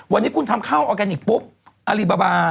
วันนี้คุณทำข้าวออร์แกนิคปุ๊บอารีบาบา